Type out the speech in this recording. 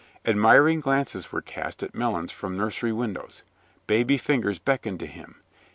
Admiring glances were cast at Melons from nursery windows. Baby fingers beckoned to him.